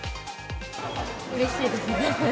うれしいですね。